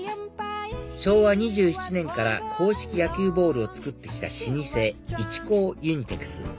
昭和２７年から硬式野球ボールを作ってきた老舗一光ユニテクス